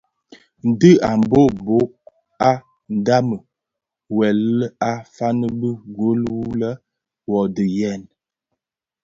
Ndhi i Mbhöbhög a ndhami wuèl a faňi bi gul nwe lè: wuodhi yèn !